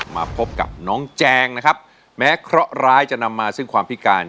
มาพบกับน้องแจงนะครับแม้เคราะหร้ายจะนำมาซึ่งความพิการ